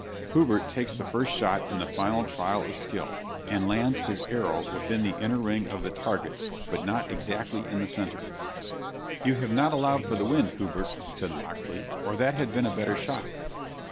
Hubert takes the first shot in the final trial of skill, and lands his arrow within the inner ring of the target, but not exactly in the centre. "'You have not allowed for the wind, Hubert,' said Locksley, 'or that had been a better shot.'